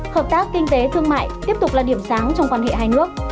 hợp tác kinh tế thương mại tiếp tục là điểm sáng trong quan hệ hai nước